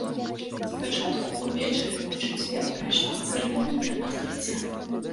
Спачатку ўвечары ў чацвер прайшла цырымонія адкрыцця.